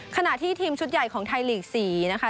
ขณะที่ทีมชุดใหญ่ของไทยลีก๔นะคะ